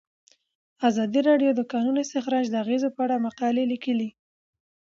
ازادي راډیو د د کانونو استخراج د اغیزو په اړه مقالو لیکلي.